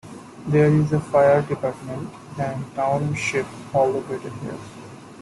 There is a fire department and township hall located here.